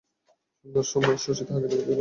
সন্ধ্যার সময় শশী তাহাকে দেখিতে গেল।